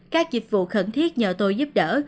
các dịch vụ khẩn thiết nhờ tôi giúp đỡ